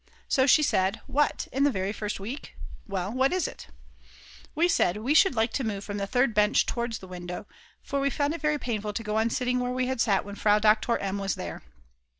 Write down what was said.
So she said: "What, in the very first week; well, what is it?" We said we should like to move from the third bench towards the window, for we found it very painful to go on sitting where we had sat when Frau Doktor M., was there.